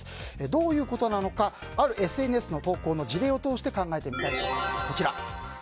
どういうことなのかあるＳＮＳの投稿の事例を通して考えてみたいと思います。